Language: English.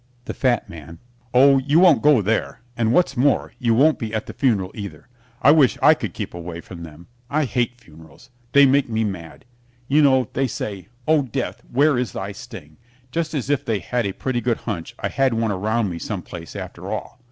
THE FAT MAN Oh, you won't go there, and, what's more, you won't be at the funeral, either. I wish I could keep away from them. I hate funerals. They make me mad. You know, they say "Oh, Death, where is thy sting?" just as if they had a pretty good hunch I had one around me some place after all.